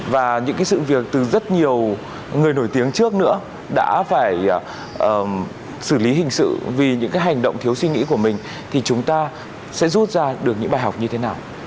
và những sự việc từ rất nhiều người nổi tiếng trước nữa đã phải xử lý hình sự vì những cái hành động thiếu suy nghĩ của mình thì chúng ta sẽ rút ra được những bài học như thế nào